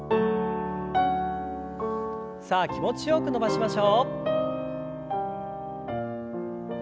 さあ気持ちよく伸ばしましょう。